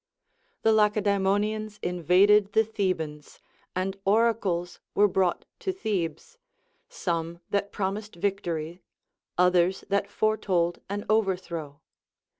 The Lacedaemonians invaded the Thebans, and oracles were brought to Thebes, some that promised victory, others that foretold an overthrow.